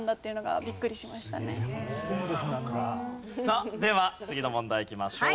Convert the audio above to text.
さあでは次の問題いきましょう。